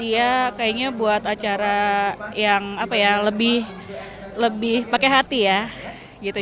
dia kayaknya buat acara yang lebih pakai hati ya